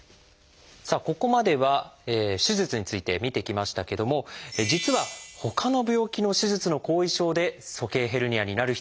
さあここまでは手術について見てきましたけども実はほかの病気の手術の後遺症で鼠径ヘルニアになる人もいるんです。